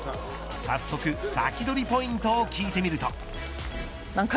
早速、サキドリポイントを聞いてみると。